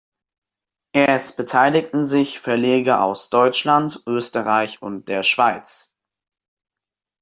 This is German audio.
Es beteiligten sich Verleger aus Deutschland, Österreich und der Schweiz.